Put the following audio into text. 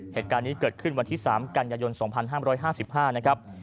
เหตุการณ์นี้เกิดขึ้นวันที่๓กันยายน๒๕๕๕นะครับ